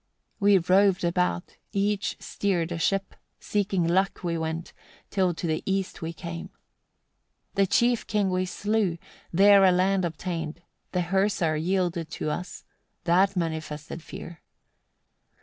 We roved about, each steered a ship; seeking luck we went, till to the east we came. 98. The chief king we slew, there a land obtained, the "hersar" yielded to us; that manifested fear.